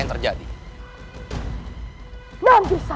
ilmu kanuraganmu musnah